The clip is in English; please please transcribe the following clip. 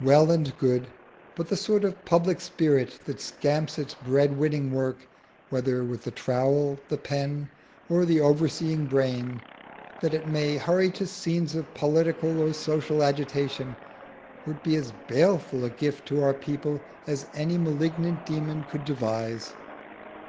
Well and good. But the sort of public spirit that scamps its bread winning work, whether with the trowel, the pen, or the overseeing brain, that it may hurry to scenes of political or social agitation, would be as baleful a gift to our people as any malignant demon could devise.